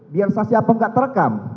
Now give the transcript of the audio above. biar saksi apa enggak terekam